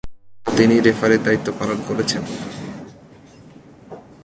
এছাড়াও তিনি রেফারির দায়িত্ব পালন করেছেন।